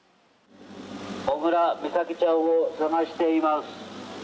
小倉美咲ちゃんを探しています。